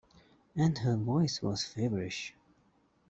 And her voice was feverish.